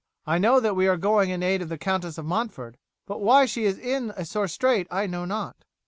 I know that we are going in aid of the Countess of Montford; but why she is in a sore strait I know not."